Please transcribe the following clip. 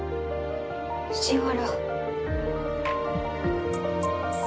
藤原。